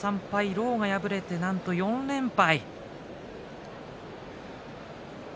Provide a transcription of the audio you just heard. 狼雅敗れて、なんと４連敗。